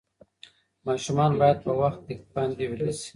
ماشومان باید په وخت باندې ویده شي.